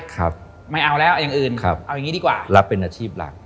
ครับไม่เอาแล้วอย่างอื่นครับเอาอย่างนี้ดีกว่ารับเป็นอาชีพหลัก